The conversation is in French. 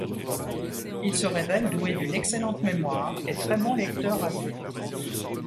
Il se révèle doué d'une excellente mémoire et très bon lecteur à vue.